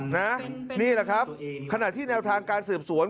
นี่แหละครับขณะที่แนวทางการสืบสวน